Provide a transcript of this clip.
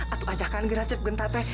ada ajakan dengan cip genta teh